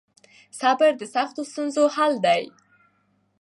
صبر د سختو ستونزو حل دی.